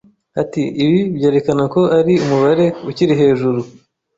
Ati: "Ibi byerekana ko ari umubare ukiri hejuru,